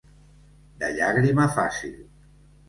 De llàgrima fàcil.